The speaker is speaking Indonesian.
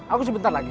aku sebentar lagi